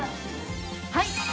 はい！